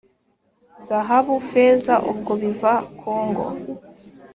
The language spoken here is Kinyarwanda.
zahabu, feza ubwo biva kongo